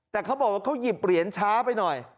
แต่เขาบอกว่าเขาหยิบเหรียญช้าไปหน่อย